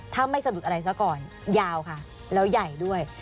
ถ้าไม่สะดุดอะไรซะก่อนยาวค่ะแล้วใหญ่ด้วย